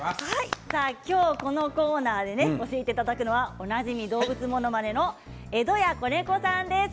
今日このコーナーで教えていただくのはおなじみ動物ものまねの江戸家小猫さんです。